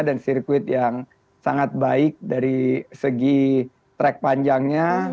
dan sirkuit yang sangat baik dari segi track panjangnya